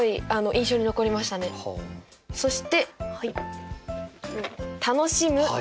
そして。